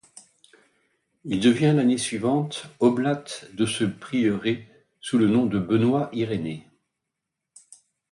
Il devient l'année suivante oblat de ce prieuré sous le nom de Benoît-Irénée.